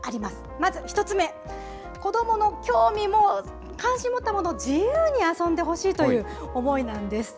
まず１つ目、子どもの興味、関心を持ったものを自由に遊んでほしいという思いなんです。